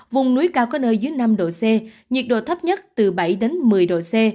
vùng núi cao có nơi dưới năm độ c nhiệt độ thấp nhất từ bảy đến một mươi độ c